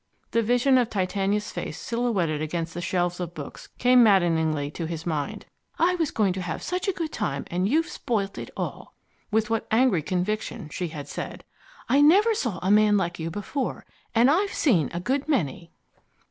The vision of Titania's face silhouetted against the shelves of books came maddeningly to his mind. "I was going to have such a good time, and you've spoilt it all!" With what angry conviction she had said: "I never saw a man like you before and I've seen a good many!"